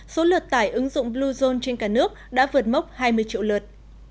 số lượt tải ứng dụng bluezone trên cả nước đã vượt mốc hai mươi triệu lượt